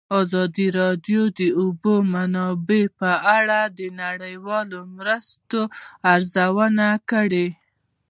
ازادي راډیو د د اوبو منابع په اړه د نړیوالو مرستو ارزونه کړې.